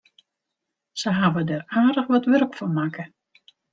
Se hawwe der aardich wat wurk fan makke.